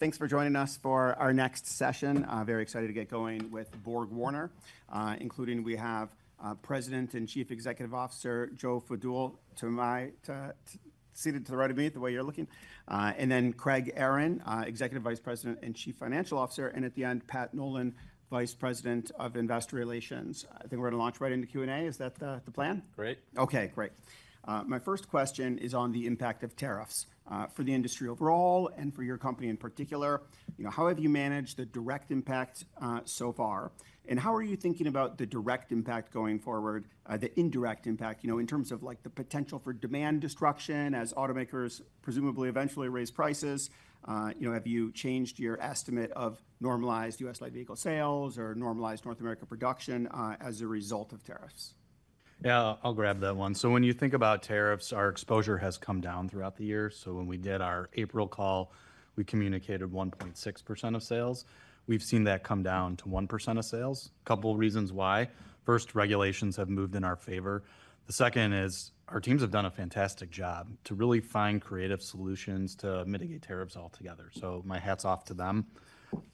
Thanks for joining us for our next session. Very excited to get going with BorgWarner, including we have President and Chief Executive Officer Joseph Fadool, seated to the right of me, the way you're looking. Then Craig Aaron, Executive Vice President and Chief Financial Officer. At the end, Patrick Nolan, Vice President of Investor Relations. I think we're going to launch right into Q&A. Is that the plan? Great. OK, great. My first question is on the impact of tariffs for the industry overall and for your company in particular. How have you managed the direct impact so far? How are you thinking about the direct impact going forward, the indirect impact, in terms of the potential for demand disruption as automakers presumably eventually raise prices? Have you changed your estimate of normalized U.S.-led vehicle sales or normalized North America production as a result of tariffs? Yeah, I'll grab that one. When you think about tariffs, our exposure has come down throughout the year. When we did our April call, we communicated 1.6% of sales. We've seen that come down to 1% of sales. A couple of reasons why. First, regulations have moved in our favor. The second is our teams have done a fantastic job to really find creative solutions to mitigate tariffs altogether. My hat's off to them.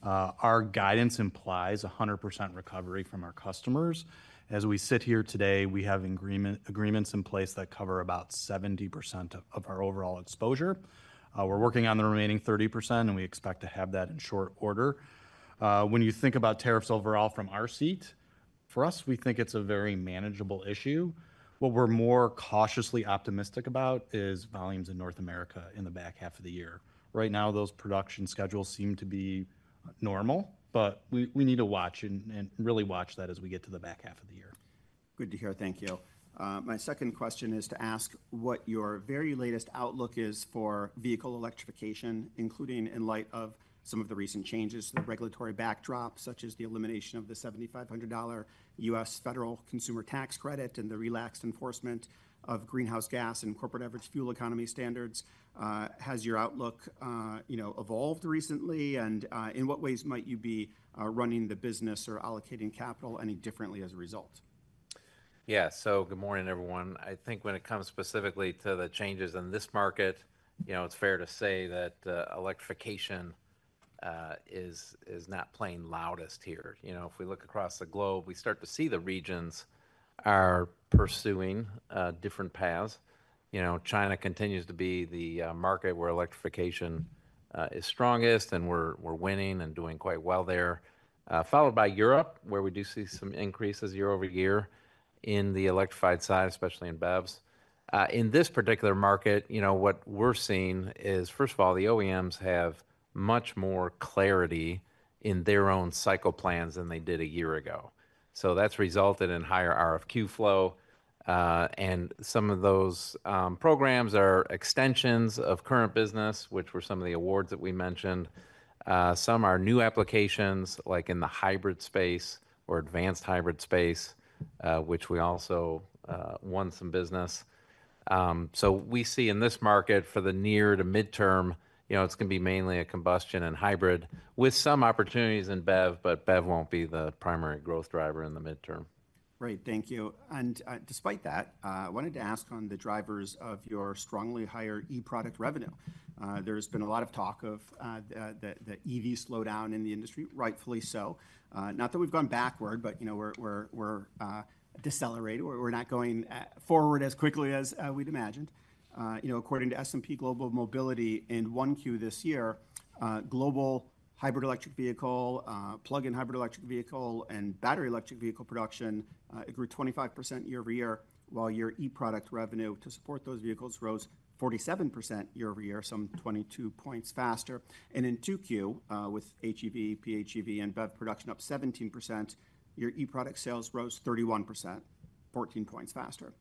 Our guidance implies 100% recovery from our customers. As we sit here today, we have agreements in place that cover about 70% of our overall exposure. We're working on the remaining 30%, and we expect to have that in short order. When you think about tariffs overall from our seat, for us, we think it's a very manageable issue. What we're more cautiously optimistic about is volumes in North America in the back half of the year. Right now, those production schedules seem to be normal, but we need to watch and really watch that as we get to the back half of the year. Good to hear. Thank you. My second question is to ask what your very latest outlook is for vehicle electrification, including in light of some of the recent changes to the regulatory backdrop, such as the elimination of the $7,500 U.S. federal consumer tax credit and the relaxed enforcement of greenhouse gas and corporate average fuel economy standards. Has your outlook evolved recently? In what ways might you be running the business or allocating capital any differently as a result? Good morning, everyone. I think when it comes specifically to the changes in this market, it's fair to say that electrification is not playing loudest here. If we look across the globe, we start to see the regions are pursuing different paths. China continues to be the market where electrification is strongest, and we're winning and doing quite well there, followed by Europe, where we do see some increases year-over-year in the electrified side, especially in BEVs. In this particular market, what we're seeing is, first of all, the OEMs have much more clarity in their own cycle plans than they did a year ago. That's resulted in higher RFQ flow. Some of those programs are extensions of current business, which were some of the awards that we mentioned. Some are new applications, like in the hybrid space or advanced hybrid space, which we also won some business. We see in this market for the near to midterm, it's going to be mainly a combustion and hybrid with some opportunities in BEV, but BEV won't be the primary growth driver in the midterm. Right, thank you. Despite that, I wanted to ask on the drivers of your strongly higher e-product revenue. There's been a lot of talk of that EVs slow down in the industry, rightfully so. Not that we've gone backward, but we're decelerating. We're not going forward as quickly as we'd imagined. According to S&P Global Mobility in Q1 this year, global hybrid electric vehicle, plug-in hybrid electric vehicle, and battery electric vehicle production grew 25% year-over-year, while your e-product revenue to support those vehicles rose 47% year-over-year, some 22 points faster. In Q2, with HEV, PHEV, and BEV production up 17%, your e-product sales rose 31%, 14 points faster.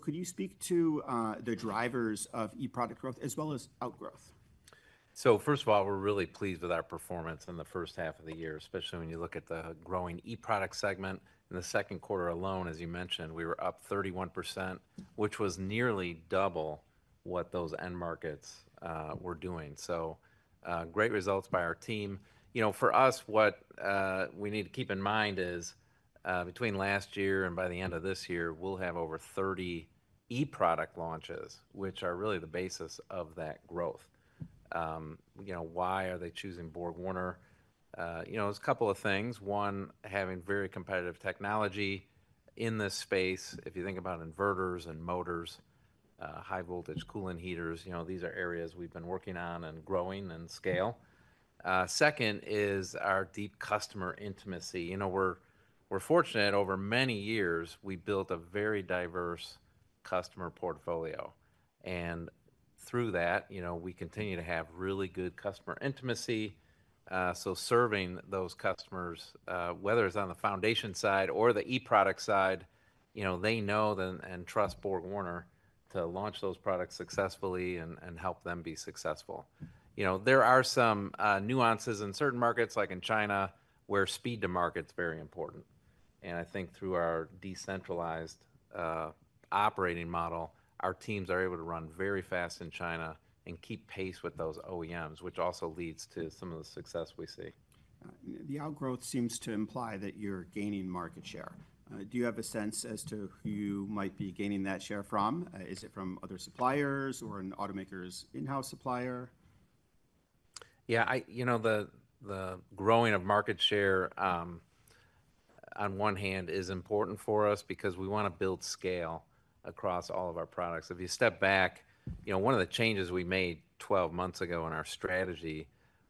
Could you speak to the drivers of e-product growth as well as outgrowth? First of all, we're really pleased with our performance in the first half of the year, especially when you look at the growing e-product segment. In the second quarter alone, as you mentioned, we were up 31%, which was nearly double what those end markets were doing. Great results by our team. For us, what we need to keep in mind is between last year and by the end of this year, we'll have over 30 e-product launches, which are really the basis of that growth. Why are they choosing BorgWarner? There's a couple of things. One, having very competitive technology in this space. If you think about inverters and electric motors, high-voltage coolant heaters, these are areas we've been working on and growing in scale. Second is our deep customer intimacy. We're fortunate over many years, we built a very diverse customer portfolio. Through that, we continue to have really good customer intimacy. Serving those customers, whether it's on the foundation side or the e-product side, they know and trust BorgWarner to launch those products successfully and help them be successful. There are some nuances in certain markets, like in China, where speed to market is very important. I think through our decentralized operating model, our teams are able to run very fast in China and keep pace with those OEMs, which also leads to some of the success we see. The outgrowth seems to imply that you're gaining market share. Do you have a sense as to who you might be gaining that share from? Is it from other suppliers or an automaker's in-house supplier? Yeah, you know, the growing of market share on one hand is important for us because we want to build scale across all of our products. If you step back, you know, one of the changes we made 12 months ago in our strategy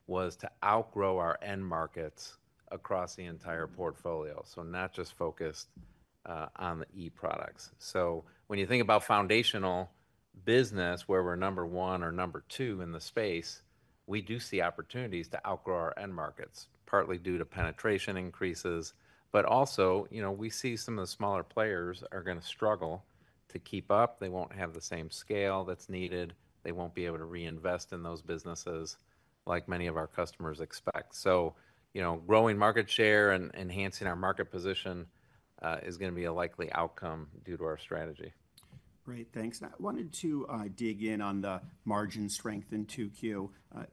was to outgrow our end markets across the entire portfolio, not just focused on the e-products. When you think about foundational business, where we're number one or number two in the space, we do see opportunities to outgrow our end markets, partly due to penetration increases. We also see some of the smaller players are going to struggle to keep up. They won't have the same scale that's needed. They won't be able to reinvest in those businesses like many of our customers expect. Growing market share and enhancing our market position is going to be a likely outcome due to our strategy. Great, thanks. I wanted to dig in on the margin strength in Q2.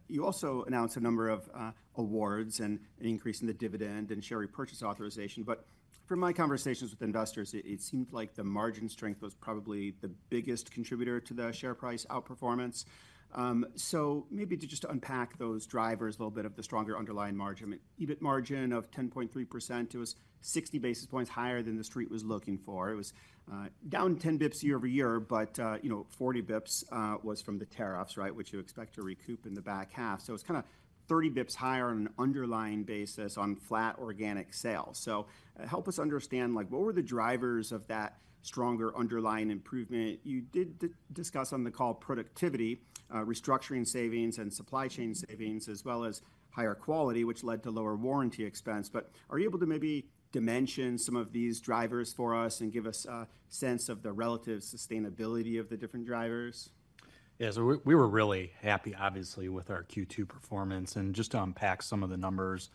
You also announced a number of awards and an increase in the dividend and share repurchase authorization. From my conversations with investors, it seemed like the margin strength was probably the biggest contributor to the share price outperformance. Maybe just to unpack those drivers a little bit of the stronger underlying margin, EBIT margin of 10.3%. It was 60 basis points higher than the Street was looking for. It was down 10 basis points year-over-year, but 40 basis points was from the tariffs, which you expect to recoup in the back half. It's kind of 30 basis points higher on an underlying basis on flat organic sales. Help us understand what were the drivers of that stronger underlying improvement. You did discuss on the call productivity, restructuring savings, and supply chain savings, as well as higher quality, which led to lower warranty expense. Are you able to maybe dimension some of these drivers for us and give us a sense of the relative sustainability of the different drivers? Yeah, so we were really happy, obviously, with our Q2 performance. Just to unpack some of the numbers,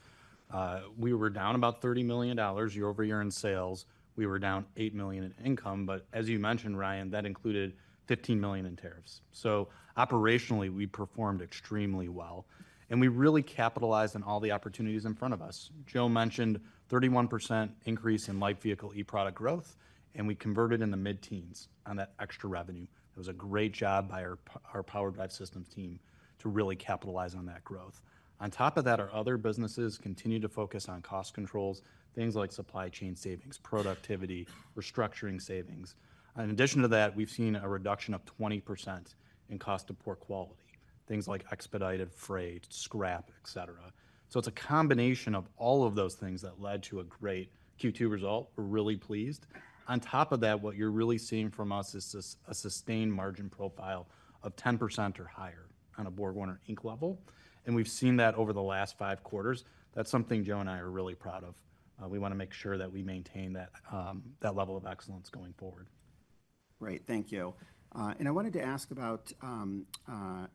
we were down about $30 million year-over-year in sales. We were down $8 million in income. As you mentioned, Ryan, that included $15 million in tariffs. Operationally, we performed extremely well. We really capitalized on all the opportunities in front of us. Joe mentioned a 31% increase in light vehicle e-product growth, and we converted in the mid-teens on that extra revenue. That was a great job by our Powered by Systems team to really capitalize on that growth. On top of that, our other businesses continue to focus on cost controls, things like supply chain savings, productivity, restructuring savings. In addition to that, we've seen a reduction of 20% in cost of poor quality, things like expedited freight, scrap, et cetera. It's a combination of all of those things that led to a great Q2 result. We're really pleased. On top of that, what you're really seeing from us is a sustained margin profile of 10% or higher on a BorgWarner Inc. level. We've seen that over the last five quarters. That's something Joe and I are really proud of. We want to make sure that we maintain that level of excellence going forward. Right, thank you. I wanted to ask about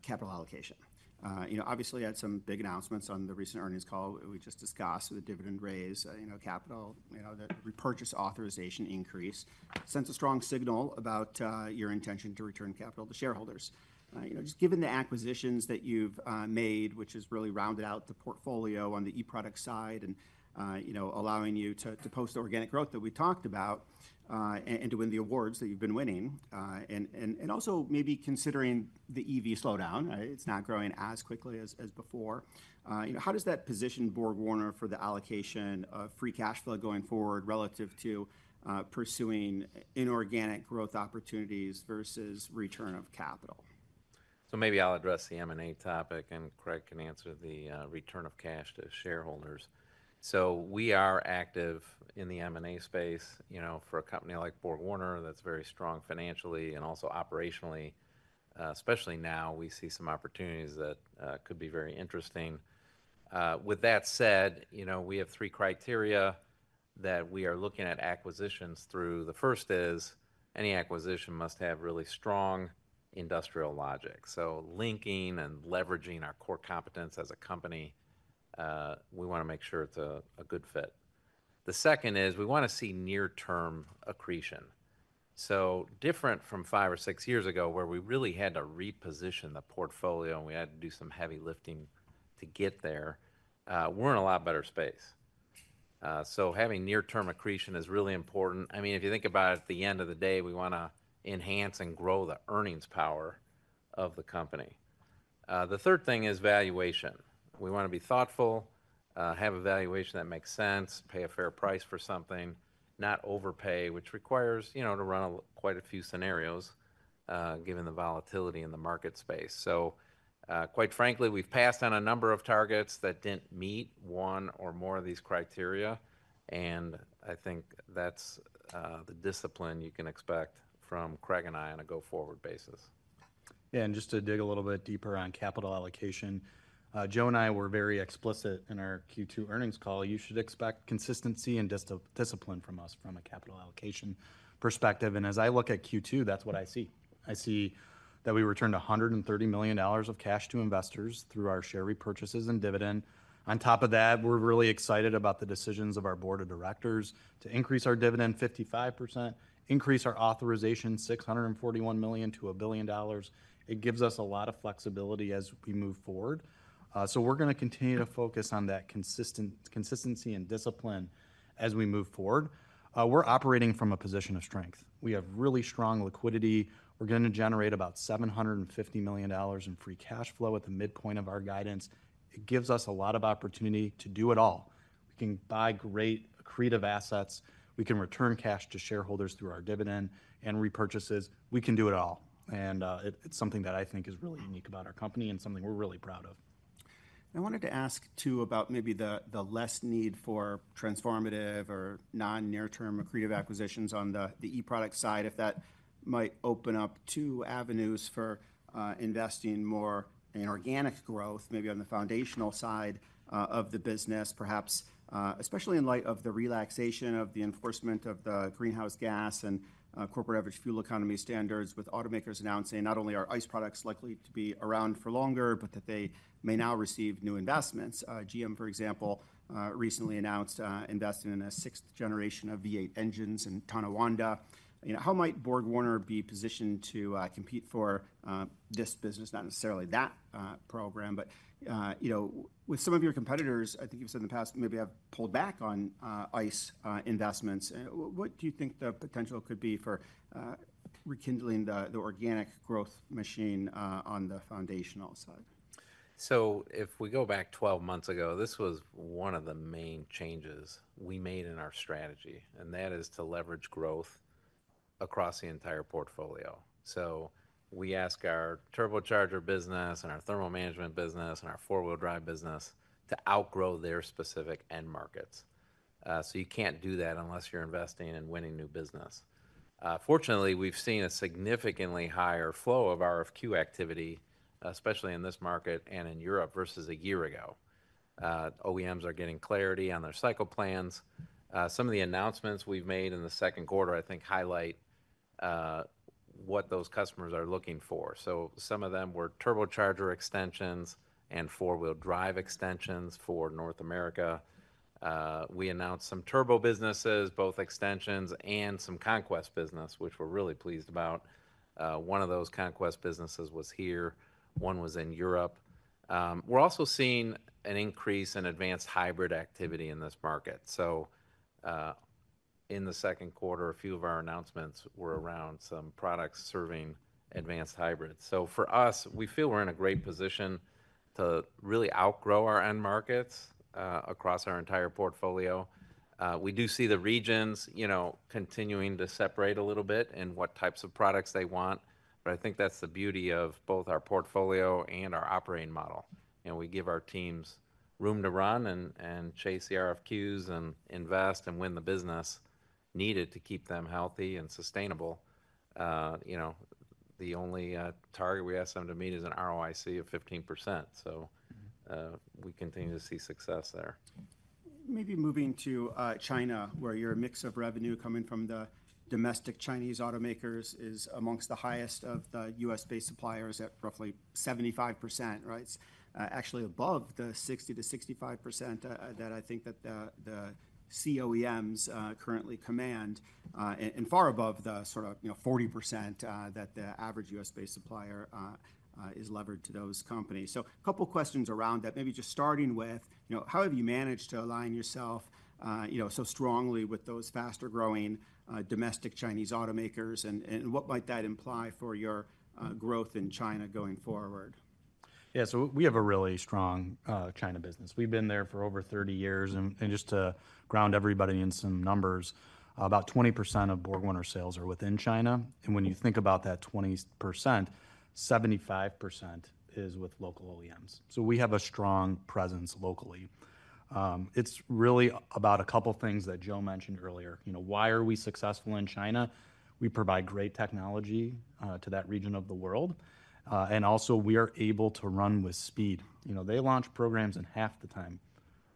capital allocation. Obviously, you had some big announcements on the recent earnings call we just discussed, the dividend raise, the capital, the repurchase authorization increase. It sent a strong signal about your intention to return capital to shareholders. Just given the acquisitions that you've made, which has really rounded out the portfolio on the e-product side and allowing you to post the organic growth that we talked about and to win the awards that you've been winning and also maybe considering the EV slowdown. It's not growing as quickly as before. How does that position BorgWarner for the allocation of free cash flow going forward relative to pursuing inorganic growth opportunities versus return of capital? Maybe I'll address the M&A topic, and Craig can answer the return of cash to shareholders. We are active in the M&A space, you know, for a company like BorgWarner that's very strong financially and also operationally. Especially now, we see some opportunities that could be very interesting. With that said, we have three criteria that we are looking at acquisitions through. The first is any acquisition must have really strong industrial logic. Linking and leveraging our core competence as a company, we want to make sure it's a good fit. The second is we want to see near-term accretion. Different from five or six years ago, where we really had to reposition the portfolio and we had to do some heavy lifting to get there, we're in a lot better space. Having near-term accretion is really important. I mean, if you think about it, at the end of the day, we want to enhance and grow the earnings power of the company. The third thing is valuation. We want to be thoughtful, have a valuation that makes sense, pay a fair price for something, not overpay, which requires, you know, to run quite a few scenarios, given the volatility in the market space. Quite frankly, we've passed on a number of targets that didn't meet one or more of these criteria. I think that's the discipline you can expect from Craig and I on a go-forward basis. Yeah, and just to dig a little bit deeper on capital allocation, Joe and I were very explicit in our Q2 earnings call. You should expect consistency and discipline from us from a capital allocation perspective. As I look at Q2, that's what I see. I see that we returned $130 million of cash to investors through our share repurchases and dividend. On top of that, we're really excited about the decisions of our board of directors to increase our dividend 55%, increase our authorization $641 million to $1 billion. It gives us a lot of flexibility as we move forward. We're going to continue to focus on that consistency and discipline as we move forward. We're operating from a position of strength. We have really strong liquidity. We're going to generate about $750 million in free cash flow at the midpoint of our guidance. It gives us a lot of opportunity to do it all. We can buy great accretive assets. We can return cash to shareholders through our dividend and repurchases. We can do it all. It's something that I think is really unique about our company and something we're really proud of. I wanted to ask, too, about maybe the less need for transformative or non-near-term accretive acquisitions on the e-product side, if that might open up two avenues for investing more in organic growth, maybe on the foundational side of the business, perhaps especially in light of the relaxation of the enforcement of the greenhouse gas and corporate average fuel economy standards, with automakers announcing not only are ICE products likely to be around for longer, but that they may now receive new investments. GM, for example, recently announced investing in a sixth generation of V8 engines in Tonawanda. You know, how might BorgWarner be positioned to compete for this business, not necessarily that program, but you know, with some of your competitors, I think you've said in the past, maybe have pulled back on ICE investments. What do you think the potential could be for rekindling the organic growth machine on the foundational side? If we go back 12 months ago, this was one of the main changes we made in our strategy. That is to leverage growth across the entire portfolio. We ask our turbocharger business and our thermal management business and our four-wheel drive business to outgrow their specific end markets. You can't do that unless you're investing in winning new business. Fortunately, we've seen a significantly higher flow of RFQ activity, especially in this market and in Europe, versus a year ago. OEMs are getting clarity on their cycle plans. Some of the announcements we've made in the second quarter, I think, highlight what those customers are looking for. Some of them were turbocharger extensions and four-wheel drive extensions for North America. We announced some turbo businesses, both extensions and some conquest business, which we're really pleased about. One of those conquest businesses was here. One was in Europe. We're also seeing an increase in advanced hybrid activity in this market. In the second quarter, a few of our announcements were around some products serving advanced hybrids. For us, we feel we're in a great position to really outgrow our end markets across our entire portfolio. We do see the regions continuing to separate a little bit in what types of products they want. I think that's the beauty of both our portfolio and our operating model. We give our teams room to run and chase the RFQs and invest and win the business needed to keep them healthy and sustainable. The only target we ask them to meet is an ROIC of 15%. We continue to see success there. Maybe moving to China, where your mix of revenue coming from the domestic Chinese automakers is amongst the highest of the U.S.-based suppliers at roughly 75%, right? It's actually above the 60%-65% that I think that the Chinese OEMs currently command and far above the sort of, you know, 40% that the average U.S.-based supplier is levered to those companies. A couple of questions around that. Maybe just starting with, you know, how have you managed to align yourself, you know, so strongly with those faster growing domestic Chinese automakers and what might that imply for your growth in China going forward? Yeah, we have a really strong China business. We've been there for over 30 years. Just to ground everybody in some numbers, about 20% of BorgWarner sales are within China. When you think about that 20%, 75% is with local OEMs. We have a strong presence locally. It's really about a couple of things that Joe mentioned earlier. You know, why are we successful in China? We provide great technology to that region of the world. Also, we are able to run with speed. They launch programs in half the time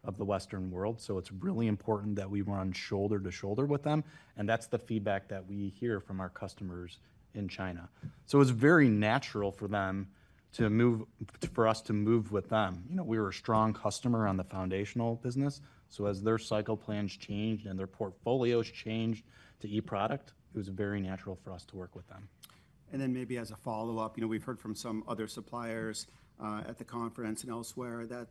of the Western world. It's really important that we run shoulder to shoulder with them. That's the feedback that we hear from our customers in China. It's very natural for them to move, for us to move with them. We were a strong customer on the foundational business. As their cycle plans changed and their portfolios changed to e-product, it was very natural for us to work with them. Maybe as a follow-up, we've heard from some other suppliers at the conference and elsewhere that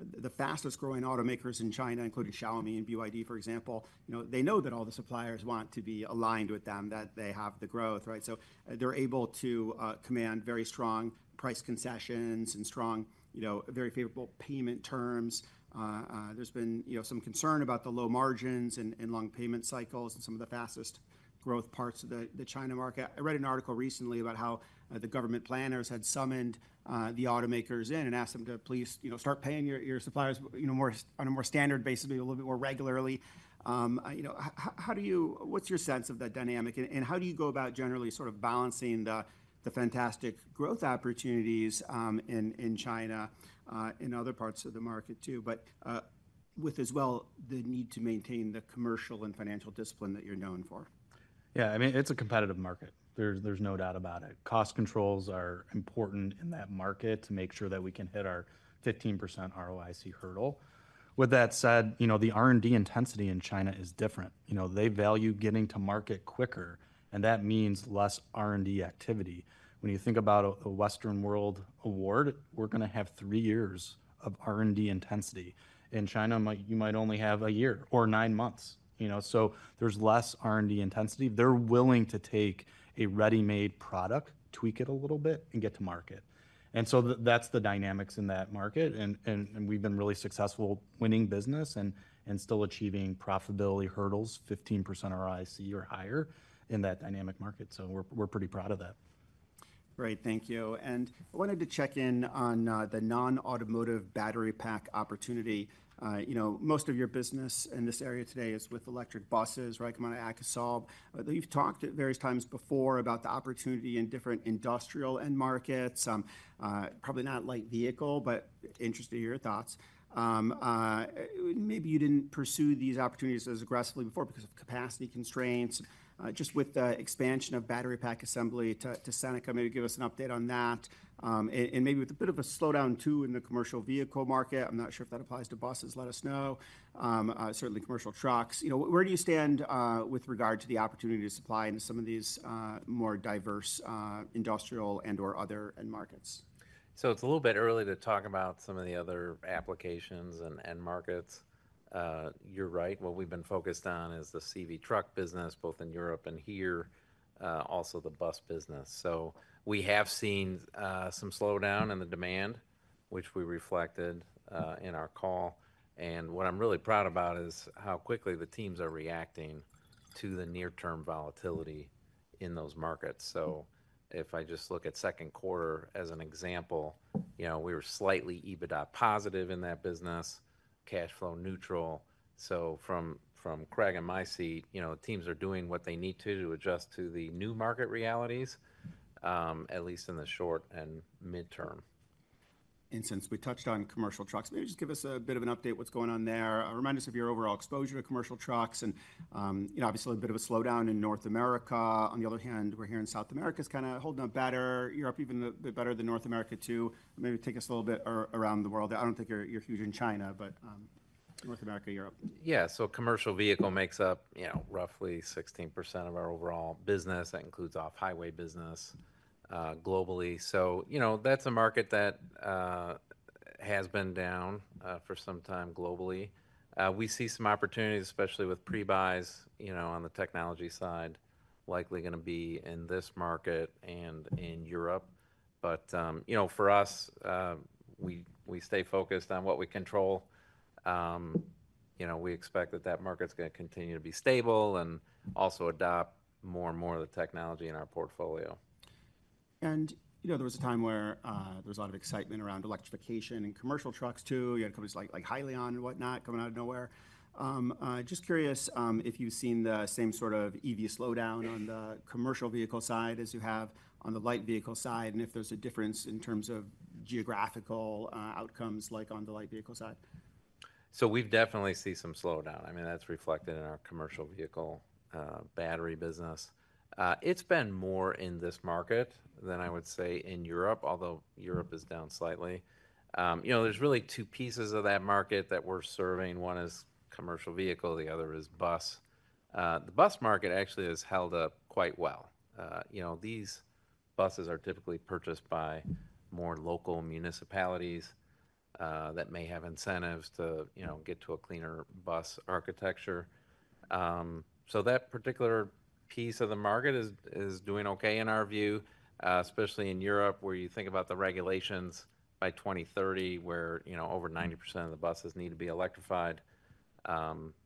the fastest growing automakers in China, including Xiaomi and BYD, for example, know that all the suppliers want to be aligned with them, that they have the growth, right? They're able to command very strong price concessions and very favorable payment terms. There's been some concern about the low margins and long payment cycles in some of the fastest growth parts of the China market. I read an article recently about how the government planners had summoned the automakers in and asked them to please start paying your suppliers on a more standard basis, maybe a little bit more regularly. What's your sense of that dynamic? How do you go about generally balancing the fantastic growth opportunities in China and other parts of the market, too, with the need to maintain the commercial and financial discipline that you're known for? Yeah, I mean, it's a competitive market. There's no doubt about it. Cost controls are important in that market to make sure that we can hit our 15% ROIC hurdle. With that said, the R&D intensity in China is different. They value getting to market quicker, and that means less R&D activity. When you think about a Western world award, we're going to have three years of R&D intensity. In China, you might only have a year or nine months, so there's less R&D intensity. They're willing to take a ready-made product, tweak it a little bit, and get to market. That's the dynamics in that market. We've been really successful winning business and still achieving profitability hurdles, 15% ROIC or higher in that dynamic market. We're pretty proud of that. Right, thank you. I wanted to check in on the non-automotive battery pack opportunity. Most of your business in this area today is with electric buses, right, come on an axle. You've talked at various times before about the opportunity in different industrial end markets, probably not light vehicle, but interested to hear your thoughts. Maybe you didn't pursue these opportunities as aggressively before because of capacity constraints. With the expansion of battery pack assembly to Seneca, maybe give us an update on that. Maybe with a bit of a slowdown, too, in the commercial vehicle market. I'm not sure if that applies to buses. Let us know. Certainly commercial trucks. Where do you stand with regard to the opportunity to supply into some of these more diverse industrial and/or other end markets? It is a little bit early to talk about some of the other applications and end markets. You're right. What we've been focused on is the CV truck business, both in Europe and here, also the bus business. We have seen some slowdown in the demand, which we reflected in our call. What I'm really proud about is how quickly the teams are reacting to the near-term volatility in those markets. If I just look at second quarter as an example, we were slightly EBITDA positive in that business, cash flow neutral. From Craig and my seat, teams are doing what they need to to adjust to the new market realities, at least in the short and midterm. Since we touched on commercial trucks, maybe just give us a bit of an update on what's going on there. Remind us of your overall exposure to commercial trucks. Obviously, a bit of a slowdown in North America. On the other hand, we're hearing South America is kind of holding up better, Europe even a bit better than North America, too. Maybe take us a little bit around the world there. I don't think you're huge in China, but North America, Europe. Yeah, commercial vehicle makes up roughly 16% of our overall business. That includes off-highway business globally. That's a market that has been down for some time globally. We see some opportunities, especially with pre-buys on the technology side, likely going to be in this market and in Europe. For us, we stay focused on what we control. We expect that market's going to continue to be stable and also adopt more and more of the technology in our portfolio. There was a time where there was a lot of excitement around electrification and commercial trucks, too. You had companies like Hyliion and whatnot coming out of nowhere. Just curious if you've seen the same sort of EV slowdown on the commercial vehicle side as you have on the light vehicle side and if there's a difference in terms of geographical outcomes, like on the light vehicle side. We've definitely seen some slowdown. I mean, that's reflected in our commercial vehicle battery business. It's been more in this market than I would say in Europe, although Europe is down slightly. There's really two pieces of that market that we're serving. One is commercial vehicle. The other is bus. The bus market actually has held up quite well. These buses are typically purchased by more local municipalities that may have incentives to get to a cleaner bus architecture. That particular piece of the market is doing OK in our view, especially in Europe, where you think about the regulations by 2030, where over 90% of the buses need to be electrified.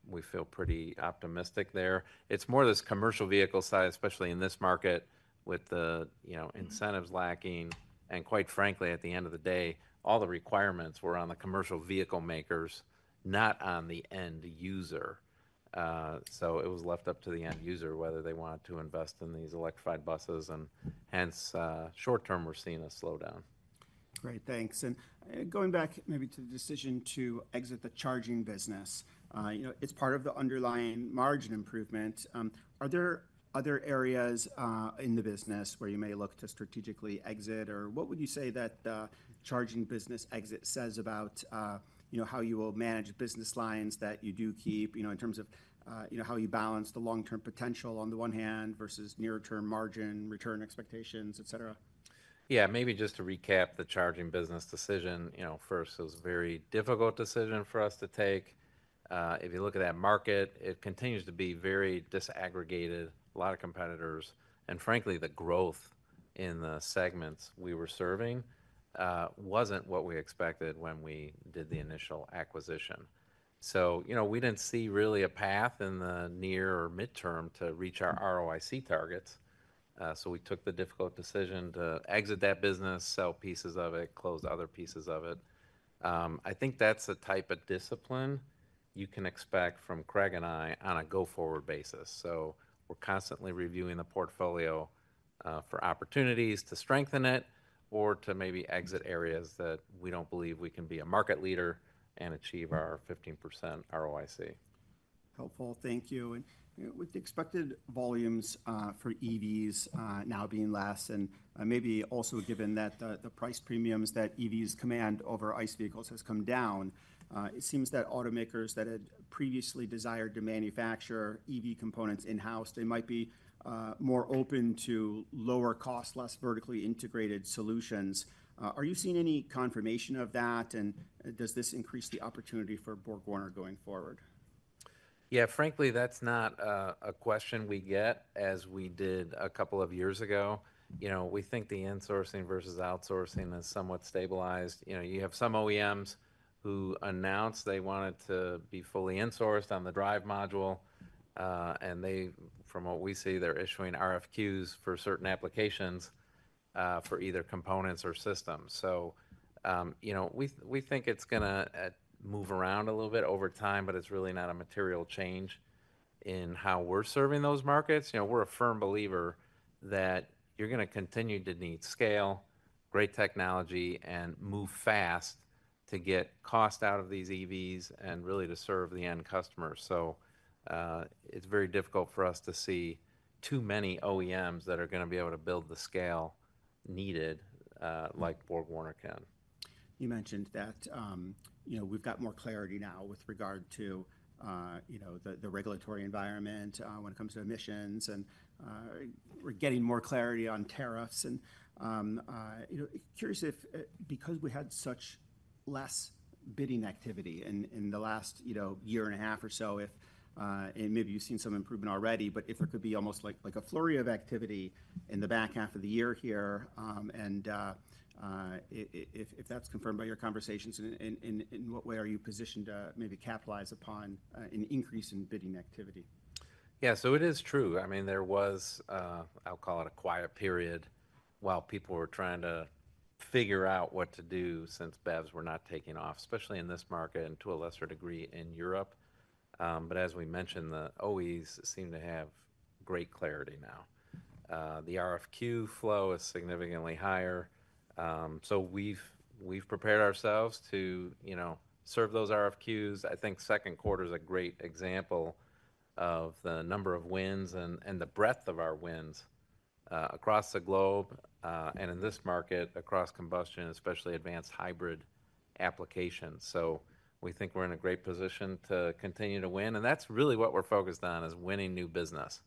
We feel pretty optimistic there. It's more this commercial vehicle side, especially in this market, with the incentives lacking. Quite frankly, at the end of the day, all the requirements were on the commercial vehicle makers, not on the end user. It was left up to the end user whether they wanted to invest in these electrified buses. Hence, short term, we're seeing a slowdown. Great, thanks. Going back maybe to the decision to exit the charging business, it's part of the underlying margin improvement. Are there other areas in the business where you may look to strategically exit? What would you say that the charging business exit says about how you will manage the business lines that you do keep, in terms of how you balance the long-term potential on the one hand versus near-term margin return expectations, etc.? Yeah, maybe just to recap the charging business decision, first, it was a very difficult decision for us to take. If you look at that market, it continues to be very disaggregated, a lot of competitors. Frankly, the growth in the segments we were serving wasn't what we expected when we did the initial acquisition. We didn't see really a path in the near or midterm to reach our ROIC targets. We took the difficult decision to exit that business, sell pieces of it, close other pieces of it. I think that's the type of discipline you can expect from Craig and I on a go-forward basis. We're constantly reviewing the portfolio for opportunities to strengthen it or to maybe exit areas that we don't believe we can be a market leader and achieve our 15% ROIC. Helpful, thank you. With the expected volumes for EVs now being less and maybe also given that the price premiums that EVs command over ICE vehicles have come down, it seems that automakers that had previously desired to manufacture EV components in-house might be more open to lower cost, less vertically integrated solutions. Are you seeing any confirmation of that? Does this increase the opportunity for BorgWarner going forward? Frankly, that's not a question we get as we did a couple of years ago. We think the insourcing versus outsourcing is somewhat stabilized. You have some OEMs who announced they wanted to be fully insourced on the drive module, and from what we see, they're issuing RFQs for certain applications for either components or systems. We think it's going to move around a little bit over time, but it's really not a material change in how we're serving those markets. We're a firm believer that you're going to continue to need scale, great technology, and move fast to get cost out of these EVs and really to serve the end customers. It's very difficult for us to see too many OEMs that are going to be able to build the scale needed like BorgWarner can. You mentioned that we've got more clarity now with regard to the regulatory environment when it comes to emissions. We're getting more clarity on tariffs. Curious if, because we had such less bidding activity in the last year and a half or so, maybe you've seen some improvement already, but if there could be almost like a flurry of activity in the back half of the year here. If that's confirmed by your conversations, in what way are you positioned to maybe capitalize upon an increase in bidding activity? Yeah, it is true. There was, I'll call it a quiet period while people were trying to figure out what to do since battery electric vehicles were not taking off, especially in this market and to a lesser degree in Europe. As we mentioned, the OEMs seem to have great clarity now. The RFQ flow is significantly higher. We've prepared ourselves to serve those RFQs. I think second quarter is a great example of the number of wins and the breadth of our wins across the globe and in this market, across combustion, especially advanced hybrid applications. We think we're in a great position to continue to win. That's really what we're focused on, winning new business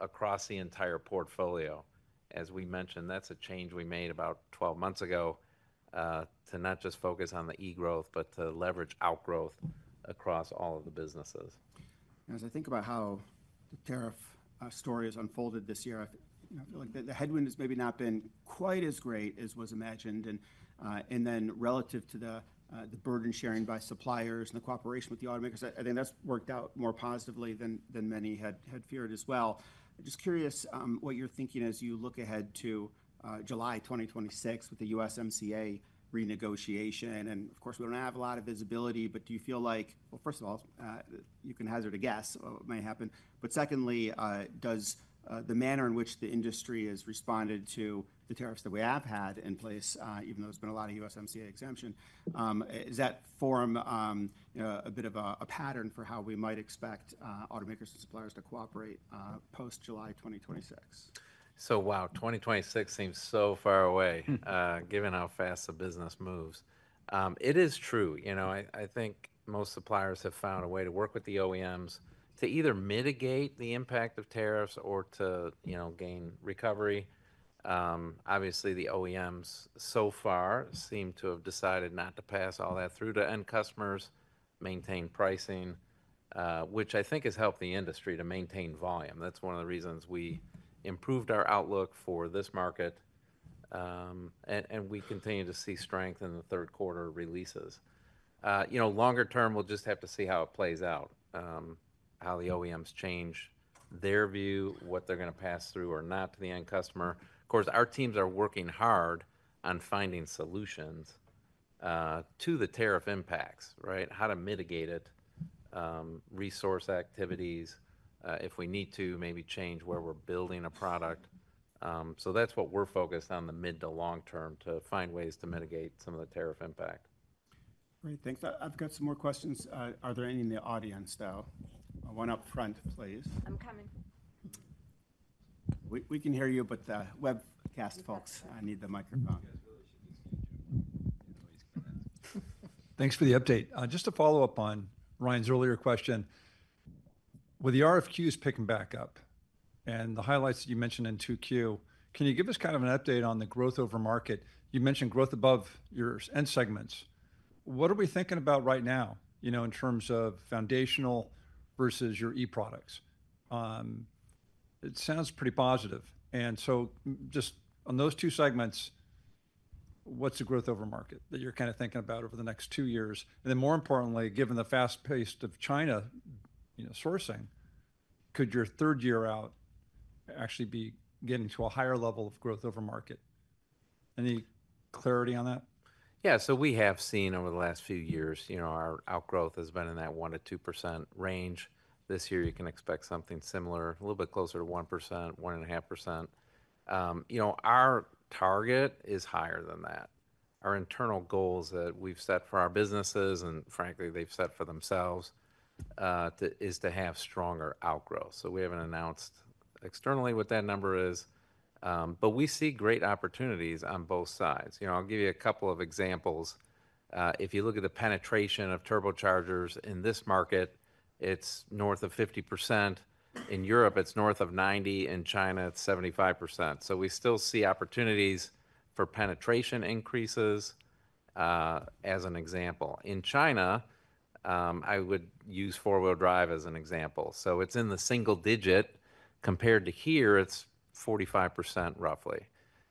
across the entire portfolio. As we mentioned, that's a change we made about 12 months ago to not just focus on the e-growth, but to leverage outgrowth across all of the businesses. As I think about how the tariff story has unfolded this year, I feel like the headwind has maybe not been quite as great as was imagined. Relative to the burden sharing by suppliers and the cooperation with the automakers, I think that's worked out more positively than many had feared as well. I'm just curious what you're thinking as you look ahead to July 2026 with the USMCA renegotiation. Of course, we don't have a lot of visibility, but do you feel like, first of all, you can hazard a guess what may happen? Secondly, does the manner in which the industry has responded to the tariffs that we have had in place, even though there's been a lot of USMCA exemption, form a bit of a pattern for how we might expect automakers and suppliers to cooperate post-July 2026? 2026 seems so far away given how fast the business moves. It is true. I think most suppliers have found a way to work with the OEMs to either mitigate the impact of tariffs or to gain recovery. Obviously, the OEMs so far seem to have decided not to pass all that through to end customers, maintain pricing, which I think has helped the industry to maintain volume. That's one of the reasons we improved our outlook for this market. We continue to see strength in the third quarter releases. Longer term, we'll just have to see how it plays out, how the OEMs change their view, what they're going to pass through or not to the end customer. Of course, our teams are working hard on finding solutions to the tariff impacts, right? How to mitigate it, resource activities, if we need to maybe change where we're building a product. That's what we're focused on in the mid to long term to find ways to mitigate some of the tariff impact. Great, thanks. I've got some more questions. Are there any in the audience, though? One up front, please. I'm coming. We can hear you, but the webcast folks need the microphone. Thanks for the update. Just to follow up on Ryan's earlier question, with the RFQ activity picking back up and the highlights that you mentioned in 2Q, can you give us kind of an update on the growth over market? You mentioned growth above your end segments. What are we thinking about right now, you know, in terms of foundational versus your e-products? It sounds pretty positive. On those two segments, what's the growth over market that you're kind of thinking about over the next two years? More importantly, given the fast pace of China sourcing, could your third year out actually be getting to a higher level of growth over market? Any clarity on that? Yeah, we have seen over the last few years our outgrowth has been in that 1%-2% range. This year, you can expect something similar, a little bit closer to 1%, 1.5%. Our target is higher than that. Our internal goals that we've set for our businesses, and frankly, they've set for themselves, is to have stronger outgrowth. We haven't announced externally what that number is, but we see great opportunities on both sides. I'll give you a couple of examples. If you look at the penetration of turbochargers in this market, it's north of 50%. In Europe, it's north of 90%. In China, it's 75%. We still see opportunities for penetration increases as an example. In China, I would use four-wheel drive as an example. It's in the single digit. Compared to here, it's 45% roughly.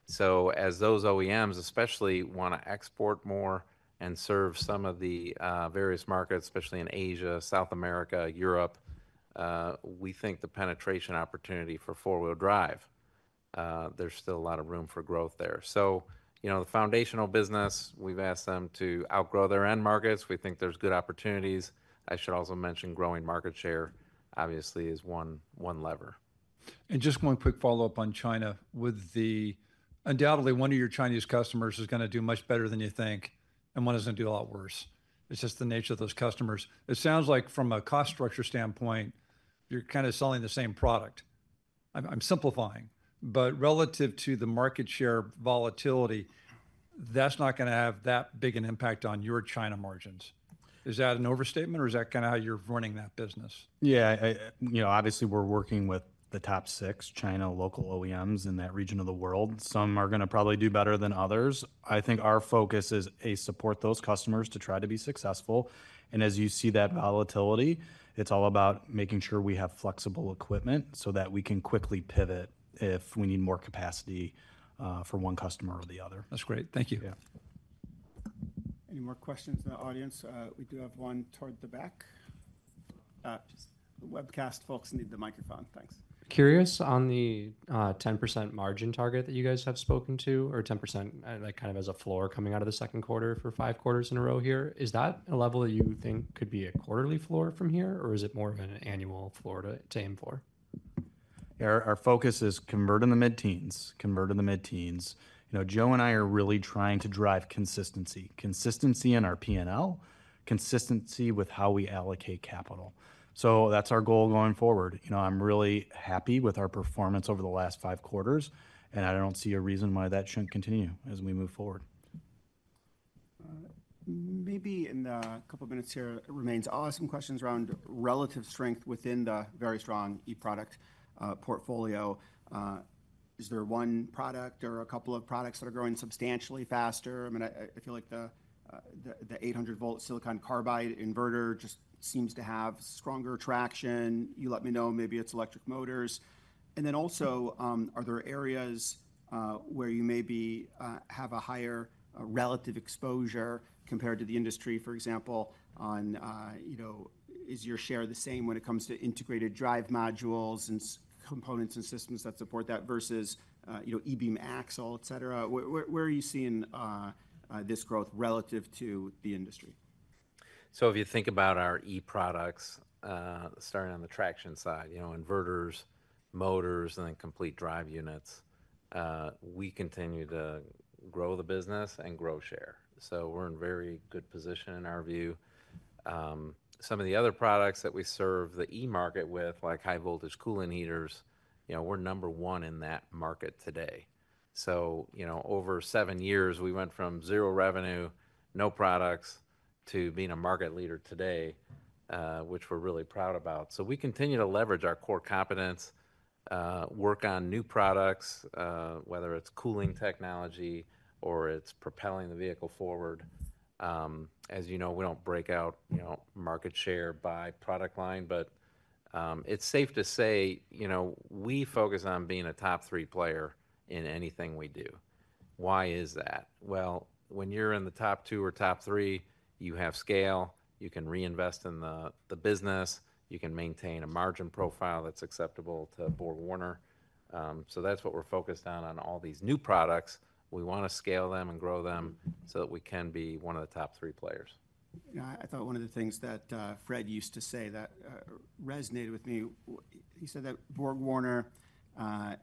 As those OEMs especially want to export more and serve some of the various markets, especially in Asia, South America, Europe, we think the penetration opportunity for four-wheel drive, there's still a lot of room for growth there. The foundational business, we've asked them to outgrow their end markets. We think there's good opportunities. I should also mention growing market share, obviously, is one lever. Just one quick follow-up on China. Undoubtedly, one of your Chinese customers is going to do much better than you think, and one is going to do a lot worse. It's just the nature of those customers. It sounds like from a cost structure standpoint, you're kind of selling the same product. I'm simplifying, but relative to the market share volatility, that's not going to have that big an impact on your China margins. Is that an overstatement, or is that kind of how you're running that business? Yeah, obviously, we're working with the top six Chinese OEMs in that region of the world. Some are going to probably do better than others. I think our focus is to support those customers to try to be successful. As you see that volatility, it's all about making sure we have flexible equipment so that we can quickly pivot if we need more capacity for one customer or the other. That's great. Thank you. Yeah. Any more questions in the audience? We do have one toward the back. The webcast folks need the microphone. Thanks. Curious on the 10% margin target that you guys have spoken to, or 10% like kind of as a floor coming out of the second quarter for five quarters in a row here. Is that a level that you think could be a quarterly floor from here, or is it more of an annual floor to aim for? Our focus is convert in the mid-teens, convert in the mid-teens. You know, Joe and I are really trying to drive consistency, consistency in our P&L, consistency with how we allocate capital. That's our goal going forward. I'm really happy with our performance over the last five quarters, and I don't see a reason why that shouldn't continue as we move forward. Maybe in a couple of minutes here, it remains I'll ask some questions around relative strength within the very strong e-product portfolio. Is there one product or a couple of products that are growing substantially faster? I mean, I feel like the 800-volt silicon carbide inverter just seems to have stronger traction. You let me know, maybe it's electric motors. Also, are there areas where you maybe have a higher relative exposure compared to the industry, for example, on, you know, is your share the same when it comes to integrated drive modules and components and systems that support that versus, you know, e-beam axle, et cetera? Where are you seeing this growth relative to the industry? If you think about our e-products, starting on the traction side, inverters, motors, and then complete drive units, we continue to grow the business and grow share. We're in a very good position in our view. Some of the other products that we serve the e-market with, like high-voltage coolant heaters, we're number one in that market today. Over seven years, we went from zero revenue, no products to being a market leader today, which we're really proud about. We continue to leverage our core competence, work on new products, whether it's cooling technology or it's propelling the vehicle forward. As you know, we don't break out market share by product line, but it's safe to say we focus on being a top three player in anything we do. When you're in the top two or top three, you have scale. You can reinvest in the business. You can maintain a margin profile that's acceptable to BorgWarner. That's what we're focused on, on all these new products. We want to scale them and grow them so that we can be one of the top three players. I thought one of the things that Frédéric Lissalde used to say that resonated with me, he said that BorgWarner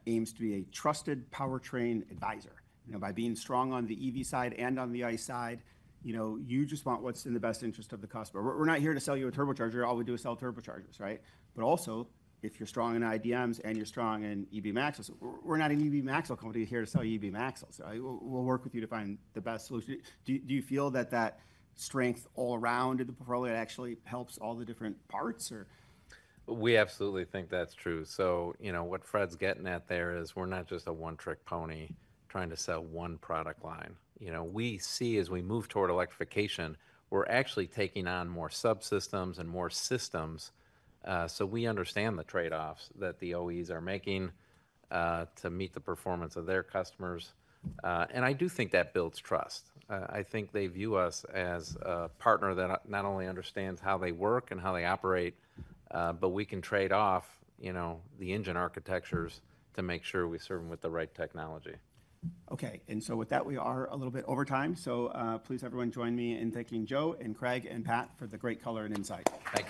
aims to be a trusted powertrain advisor. You know, by being strong on the EV side and on the ICE side, you just want what's in the best interest of the customer. We're not here to sell you a turbocharger. All we do is sell turbochargers, right? Also, if you're strong in inverters and you're strong in EV axles, we're not an EV axle company here to sell you EV axles. We'll work with you to find the best solution. Do you feel that that strength all around in the portfolio actually helps all the different parts? We absolutely think that's true. What Fred's getting at there is we're not just a one-trick pony trying to sell one product line. We see as we move toward electrification, we're actually taking on more subsystems and more systems. We understand the trade-offs that the OEMs are making to meet the performance of their customers. I do think that builds trust. I think they view us as a partner that not only understands how they work and how they operate, but we can trade off the engine architectures to make sure we serve them with the right technology. OK, with that, we are a little bit over time. Please, everyone, join me in thanking Joe, Craig, and Pat for the great color and insight. Thanks.